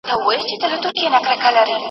ارواپوهنه له ټولنپوهنې سره څه توپير لري؟